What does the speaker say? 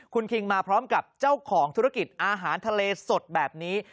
คุณคิงมาพร้อมกับเจ้าของธุรกิจอาหารทะเลสดแบบนี้